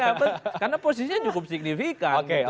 iya karena posisinya cukup signifikan